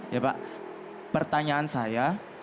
ya pak pertanyaan saya